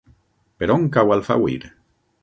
Per on cau Alfauir?